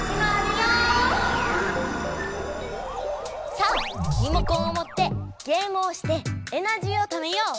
さあリモコンをもってゲームをしてエナジーをためよう！